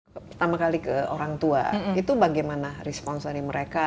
pertama kali ke orang tua itu bagaimana respons dari mereka